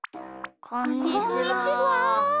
こんにちは。